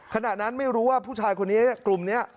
ขณะนั้นไม่รู้ว่าผู้ชายคนนี้กลุ่มนี้